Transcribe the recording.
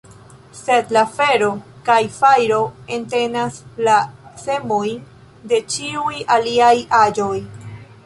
Sed la fero kaj fajro entenas la semojn de ĉiuj aliaj aĵoj.